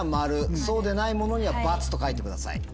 そうでないものには「×」と書いてください。